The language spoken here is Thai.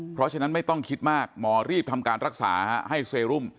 เพราะฉะนั้นไม่ต้องคิดมากหมอรีบทำการรักษาให้เซรุม